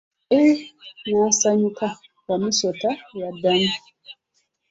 Eee, naasanyuka, Wamusota yaddamu.